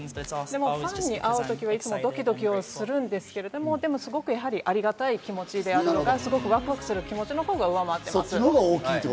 でもファンに会う時はいつもドキドキはするんですけれども、すごくありがたい気持ちであるとか、すごくワクワクする気持ちのほうが上回ってます。